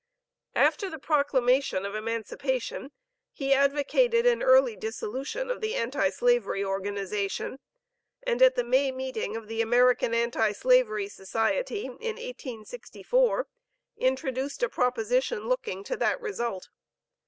After the proclamation of emancipation, he advocated an early dissolution of the anti slavery organization, and at the May Meeting of the American Anti slavery Society, in 1864, introduced a proposition looking to that result.